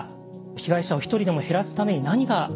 被害者を一人でも減らすために何ができるのか。